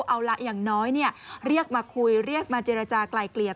เอาละอย่างน้อยเรียกมาคุยเรียกมาเจรจากลายเกลี่ย